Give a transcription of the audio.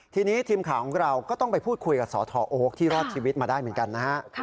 ทีนี้ทีมข่าวของเราก็ต้องไปพูดคุยกับสทโอ๊คที่รอดชีวิตมาได้เหมือนกันนะฮะ